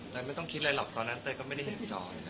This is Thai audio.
ไม่ต้องคิดอะไรหรอกตอนนั้นเต้ยก็ไม่ได้เห็นจอย